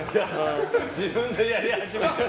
自分でやり始める。